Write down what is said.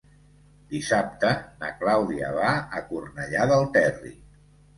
Dissabte na Clàudia va a Cornellà del Terri.